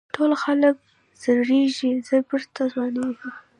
ټول خلک زړېږي زه بېرته ځوانېږم.